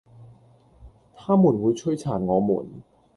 他們會摧殘我們